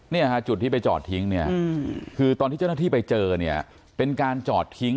จุดที่ไปจอดทิ้งเนี่ยคือตอนที่เจ้าหน้าที่ไปเจอเนี่ยเป็นการจอดทิ้ง